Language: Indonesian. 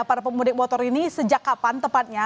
para pemudik motor ini sejak kapan tepatnya